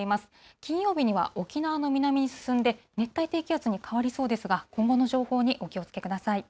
金曜日には沖縄の南に進んで、熱帯低気圧に変わりそうですが、今後の情報にお気をつけください。